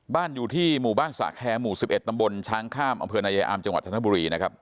บ้านอยู่ที่หมู่บ้านสาแคร